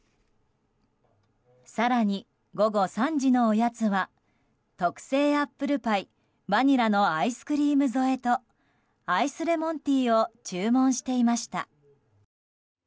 更に午後３時のおやつは特製アップルパイバニラのアイスクリーム添えとアイスレモンティーを注文していました。